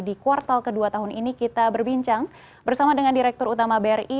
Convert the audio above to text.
di kuartal kedua tahun ini kita berbincang bersama dengan direktur utama bri